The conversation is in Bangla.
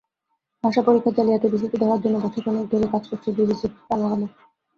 ভাষা পরীক্ষায় জালিয়াতির বিষয়টি ধরার জন্য বছর খানেক ধরে কাজ করে বিবিসি প্যানারোমা।